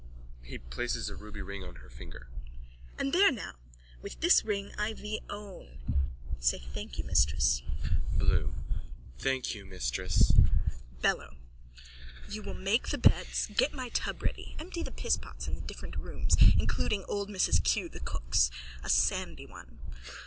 (He places a ruby ring on her finger.) And there now! With this ring I thee own. Say, thank you, mistress. BLOOM: Thank you, mistress. BELLO: You will make the beds, get my tub ready, empty the pisspots in the different rooms, including old Mrs Keogh's the cook's, a sandy one.